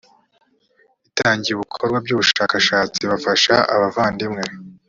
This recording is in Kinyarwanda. bitangiye ibikorwa by ubutabazi bafashaga abavandimwe